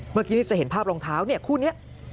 เมื่อกี้เนี่ยจะเห็นภาพรองเท้าคู่นี้